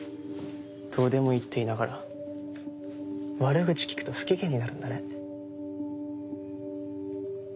「どうでもいい」って言いながら悪口聞くと不機嫌になるんだね。